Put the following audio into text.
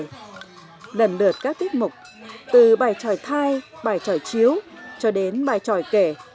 trong đợt các tiết mục từ bài tròi thai bài tròi chiếu cho đến bài tròi kể